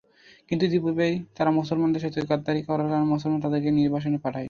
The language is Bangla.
কিন্তু ইতোপূর্বেই তারা মুসলমানদের সাথে গাদ্দারী করার কারণে মুসলমানরা তাদেরকে নির্বাসনে পাঠায়।